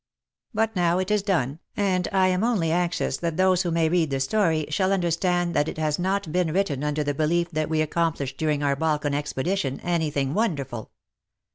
But now it is done, and I am only anxious that those who may read the story shall under stand that it has not been wTitten under the belief that we accomplished during our Balkan expedition anything wonderful.